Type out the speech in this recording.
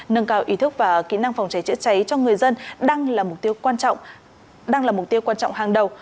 nâng cao ý thức và kỹ năng phòng cháy chữa cháy cho người dân đang là mục tiêu quan trọng hàng đầu